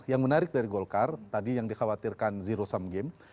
yang menarik dari golkar tadi yang dikhawatirkan zero sum game